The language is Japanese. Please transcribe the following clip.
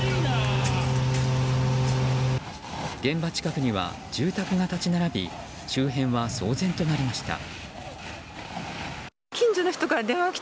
現場近くには住宅が立ち並び周辺は騒然となりました。